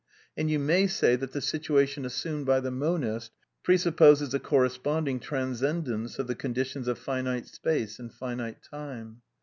And you may say that the situation assumed by the monist presupposes a corresponding trans cendence of the conditions of finite space and finite time.